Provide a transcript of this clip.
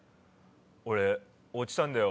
俺落ちたんだよ